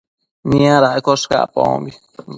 Niadaccosh cacpabombi